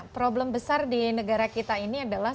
problem besar di negara kita ini adalah